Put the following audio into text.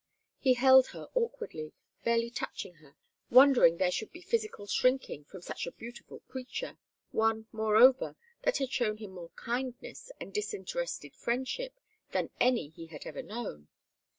He held her awkwardly, barely touching her, wondering there should be physical shrinking from such a beautiful creature, one, moreover, that had shown him more kindness and disinterested friendship than any he had ever known.